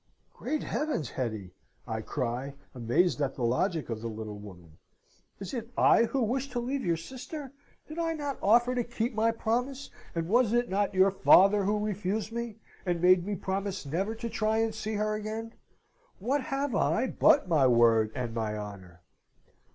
"Great heavens, Hetty!" I cry, amazed at the logic of the little woman. "Is it I who wish to leave your sister? Did I not offer to keep my promise, and was it not your father who refused me, and made me promise never to try and see her again? What have I but my word, and my honour?"